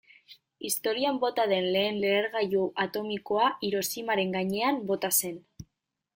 Historian bota den lehen lehergailu atomikoa Hiroshimaren gainean bota zen.